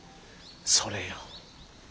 それよ。